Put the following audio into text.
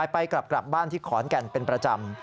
ไปกลับบ้านที่ขอนแก่นเป็นประจำ